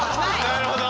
なるほど。